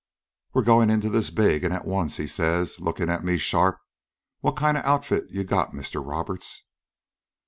"'We're goin' into this big, an' at once,' he says, lookin' at me sharp. 'What kind of an outfit you got, Mr. Roberts?'"